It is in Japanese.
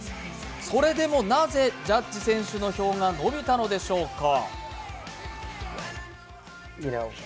それでもなぜジャッジ選手の票が伸びたびたのでしょうか？